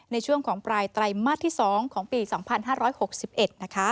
ในช่วงของปลายไตรมาสที่๒ของปี๒๕๖๑นะคะ